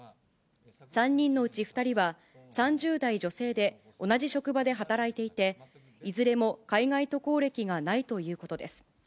３人のうち２人は３０代女性で、同じ職場で働いていて、いずれも海外渡航歴がないということです。